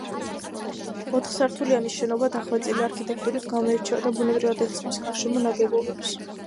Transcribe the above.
ოთხსართულიანი შენობა დახვეწილი არქიტექტურით გამოირჩევა და ბუნებრივად ერწყმის გარშემო ნაგებობებს.